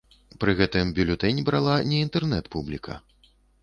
Пры гэтым бюлетэнь брала не інтэрнэт-публіка.